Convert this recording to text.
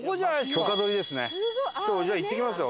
許可取りですね。